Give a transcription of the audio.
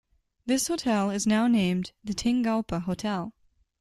This hotel is now named the Tingalpa Hotel.